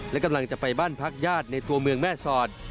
และกำลังจะไปบ้านพักญาติในตัวเมืองแม่สอด